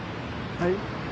はい？